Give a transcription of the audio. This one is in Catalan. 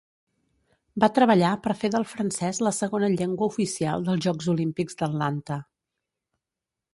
Va treballar per fer del francès la segona llengua oficial dels Jocs Olímpics d'Atlanta.